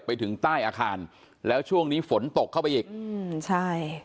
ไปถึงใต้อาคารแล้วช่วงนี้ฝนตกเข้าไปอีกอืมใช่